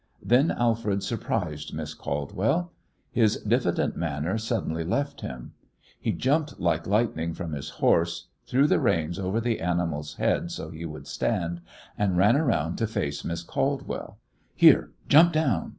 Then Alfred surprised Miss Caldwell. His diffident manner suddenly left him. He jumped like lightning from his horse, threw the reins over the animal's head so he would stand, and ran around to face Miss Caldwell. "Here, jump down!"